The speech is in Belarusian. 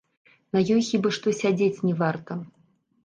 На ёй хіба што сядзець не варта.